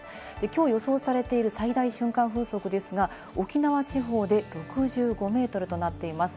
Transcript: きょう予想されている最大瞬間風速ですが、沖縄地方で６５メートルとなっています。